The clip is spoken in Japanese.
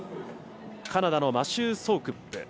カナダのマシュー・ソウクップ。